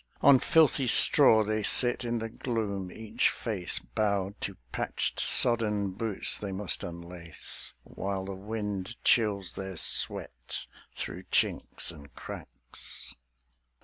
On filthy straw they sit in the gloom, each face Bowed to patched, sodden boots they must unlace, While the wind chills their sweat through chinks and cracks.